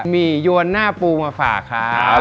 มียวนหน้าปูมาฝากครับ